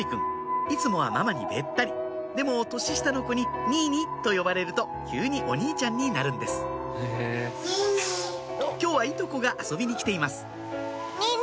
いつもはママにベッタリでも年下の子に「ニイニ」と呼ばれると急にお兄ちゃんになるんです今日はいとこが遊びに来ています